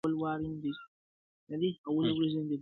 o پخوا به مړانه په سيالي وه، اوس سپيتانه په سيالي ده!